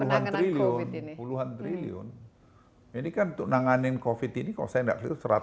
menanggung ini puluhan triliun ini kan untuk menanganin kofit ini kalau saya enggak satu ratus tujuh puluh tiga